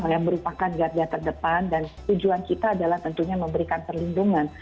yang merupakan garda terdepan dan tujuan kita adalah tentunya memberikan perlindungan